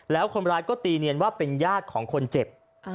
แล้วคนร้ายก็ตีเนียนว่าเป็นญาติของคนเจ็บ